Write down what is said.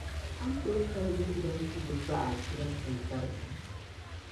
A ni tooi kali bɛ ni dandi bɛ baɣa chira shɛm tariga?